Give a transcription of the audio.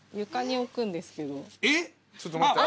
床に置くんですけど。